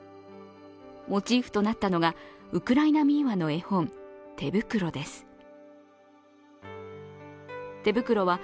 モチーフとなったのがウクライナ民話の絵本「てぶくろ」です。